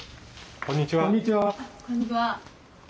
こんにちは。